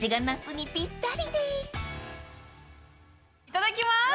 いただきます。